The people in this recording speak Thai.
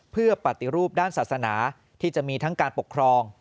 เพื่อปฏิรูปด้านศาสนาที่จะมีทั้งการปกครอง